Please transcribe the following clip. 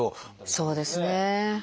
そうですね。